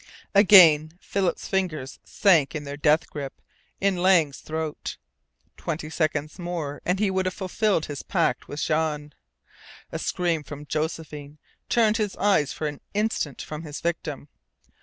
Again Philip's fingers sank in their death grip in Lang's throat. Twenty seconds more and he would have fulfilled his pact with Jean. A scream from Josephine turned his eyes for an instant from his victim.